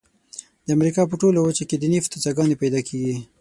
د امریکا په ټوله وچه کې د نفتو څاګانې پیدا کیږي.